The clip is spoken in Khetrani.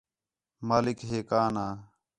مالک ہے کا نہ